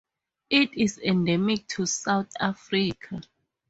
It is endemic to South Africa.